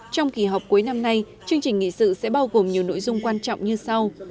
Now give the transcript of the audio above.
trong kỳ họp cuối năm nay chương trình nghị sự sẽ bao gồm nhiều nội dung quan trọng như sau